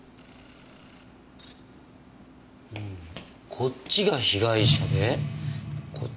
こっちが被害者でこっちあっ！